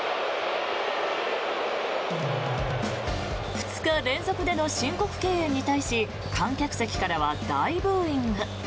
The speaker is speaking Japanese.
２日連続での申告敬遠に対し観客席からは大ブーイング。